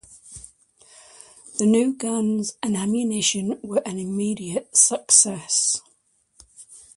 The new guns and ammunition were an immediate success.